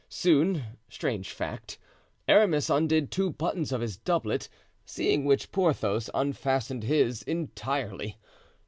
Soon—strange fact—Aramis undid two buttons of his doublet, seeing which, Porthos unfastened his entirely.